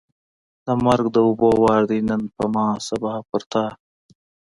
ـ مرګ د اوبو وار دی نن په ما ، سبا په تا.